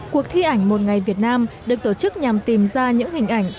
cuộc thi ảnh một ngày việt nam được tổ chức nhằm tìm ra những hình ảnh